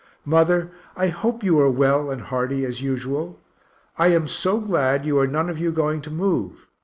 Mother, I hope you are well and hearty as usual. I am so glad you are none of you going to move.